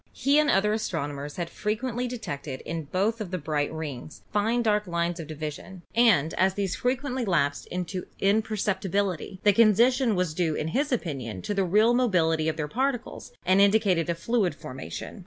He and other as tronomers had frequently detected in both of the bright rings fine dark lines of division, and as these frequently lapsed into imperceptibility the condition was due in his opinion to the real mobility of their particles and indicated a fluid formation.